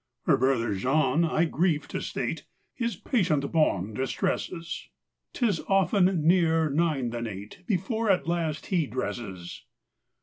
Her brother Jean—I grieve to state— His patient bonne distresses; 'Tis often nearer nine than eight Before at last he dresses.